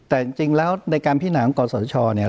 แต่จริงแล้วในการพิจารณาองค์กรสวทชเนี่ย